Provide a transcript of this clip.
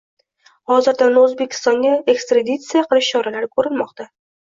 Hozirda uni O‘zbekistonga ekstraditsiya qilish choralari ko‘rilmoqda